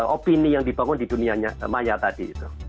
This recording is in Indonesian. opini yang dibangun di dunia maya tadi itu